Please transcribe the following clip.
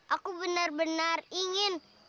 aku benar benar ingin